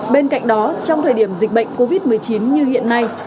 bên cạnh đó trong thời điểm dịch bệnh covid một mươi chín như hiện nay